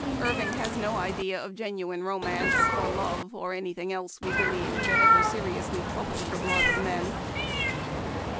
Irving has no idea of genuine romance, or love, or any thing else, we believe, that ever seriously troubles the blood of men.